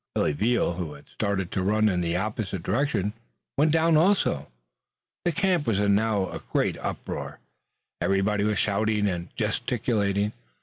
Billy Veal, who had started to run in an opposite direction, went down also. The camp was now in a great uproar. Everybody was shouting and gesticulating.